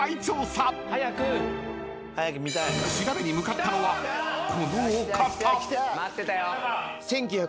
［調べに向かったのはこのお方］